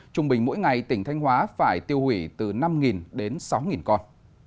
trung bình mỗi ngày tỉnh thanh hóa phải tiêu hủy từ năm đến sáu con